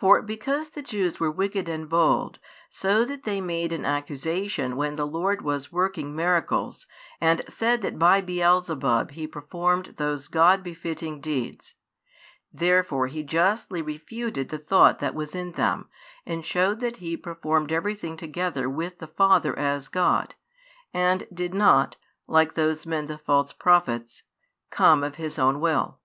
For because the Jews were wicked and bold, so that they made an accusation when the Lord was working miracles, and said that by Beelzebub He performed those God befitting deeds; therefore He justly refuted the thought that was in them, and shewed that He performed everything together with the Father as God, and did not (like those men the false prophets) come of His own will.